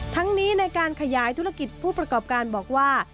ทั้งนี้ในการขยายธุรกิจผู้ประกอบการบอกว่า